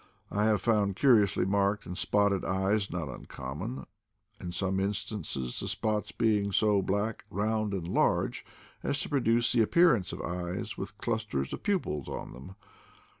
I have found curiously marked and spotted eyes not uncommon; in some instances the spots being so black, round, and large as to produce the appearance of eyes with clusters of pupils on them.